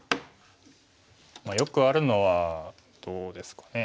よくあるのはどうですかね。